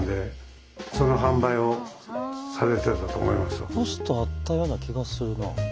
当時のポストあったような気がするな。